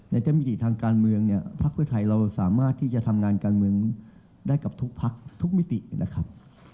เต็มมิติทางการเมืองเนี่ยภักดิ์เพื่อไทยเราสามารถที่จะทำงานการเมืองได้กับทุกพักทุกมิตินะครับ